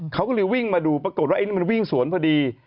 เขาก็เลยวิ่งมาดูปรากฏว่าไอ้นี่มันวิ่งสวนพอดี